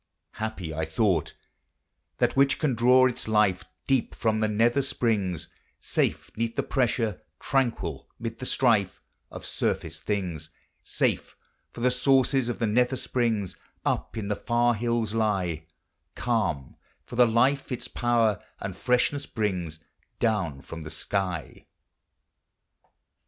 Happy, I thought, that which can draw its life Deep from the nether springs, Safe 'neath the pressure, tranquil mid the strife, Of surface things. Safe — for the sources of the nether springs Up in the far hills lie; Calm — for the life its power and freshness brings Down from the sky.